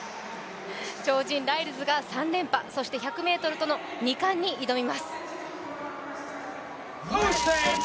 超人ライルズが３連覇そして１００ｍとの２冠に挑みます。